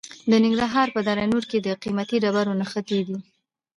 د ننګرهار په دره نور کې د قیمتي ډبرو نښې دي.